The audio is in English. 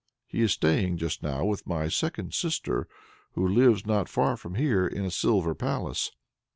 He is staying just now with my second sister, who lives not far from here in a silver palace.